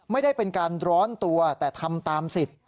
ไม่ได้เป็นการร้อนตัวแต่ทำตามสิทธิ์